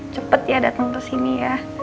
cepet ya datang kesini ya